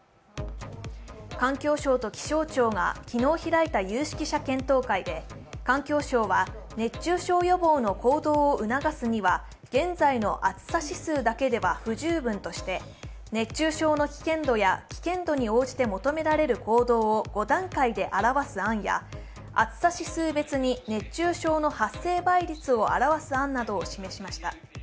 環境省と気象庁が昨日開いた有識者検討会で、環境省は熱中症予防の行動を促すには現在の暑さ指数だけでは不十分として熱中症の危険度や危険度に応じて求められる行動を５段階で表す案や暑さ指数別に熱中症の発生倍率を表す案などを示しました。